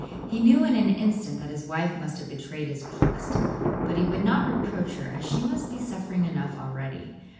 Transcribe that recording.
He knew in an instant that his wife must have betrayed his trust, but he would not reproach her, as she must be suffering enough already.